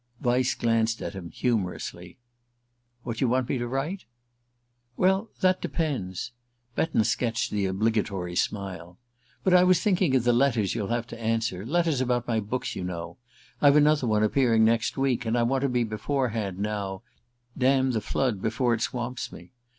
Vyse glanced at him humorously. "What you want me to write?" "Well, that depends " Betton sketched the obligatory smile. "But I was thinking of the letters you'll have to answer. Letters about my books, you know I've another one appearing next week. And I want to be beforehand now dam the flood before it swamps me.